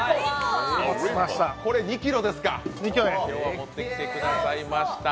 これ、２ｋｇですか持ってきてくださいました。